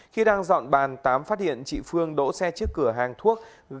khi đang dọn bàn tám phát hiện chị phương đỗ xe trước cửa hàng thuốc